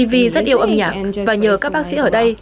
mv rất yêu âm nhạc và nhờ các bác sĩ ở đây